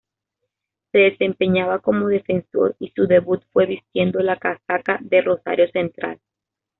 Se desempeñaba como defensor y su debut fue vistiendo la casaca de Rosario Central.